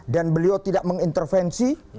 dan beliau tidak mengintervensi